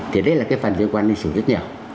thì đấy là cái phần liên quan đến lịch sử rất nhiều